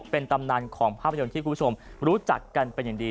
เป็นตำนานของภาพยนตร์ที่คุณผู้ชมรู้จักกันเป็นอย่างดี